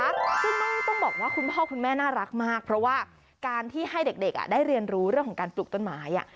ซึ่งต้องบอกว่าคุณพ่อคุณแม่น่ารักมากเพราะว่าการที่ให้เด็กได้เรียนรู้เรื่องของการปลูกต้นไม้